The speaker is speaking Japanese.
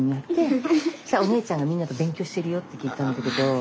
そしたら「お姉ちゃんがみんなと勉強してるよ」って聞いたんだけど。